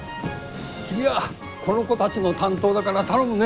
君はこの子たちの担当だから頼むね。